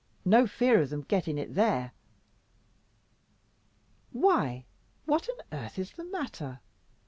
no fear of them getting it there." "Why, what on earth is the matter?